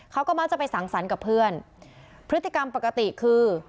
เขาก็มักจะไปสั่งสรรค์กับเพื่อนพฤติกรรมปกติคือ